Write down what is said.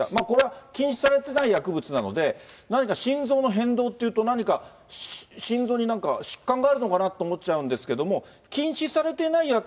これは禁止されてない薬物なので、何か心臓の変動というと、何か心臓に何か疾患があるのかなと思っちゃうんですけれども、禁止されていない